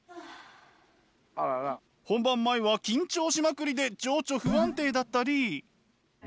本番前は緊張しまくりで情緒不安定だったり。